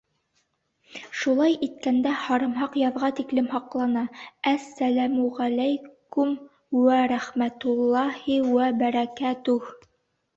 Шулай иткәндә, һарымһаҡ яҙға тиклем һаҡлана. Әс-сәләмү-ғәләйкүм үә рәхмәтул-лаһи үә бәрәкәтүһ!